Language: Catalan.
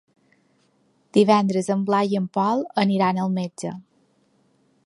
Divendres en Blai i en Pol iran al metge.